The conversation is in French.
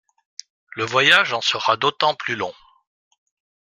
Le voyage en sera d’autant plus long.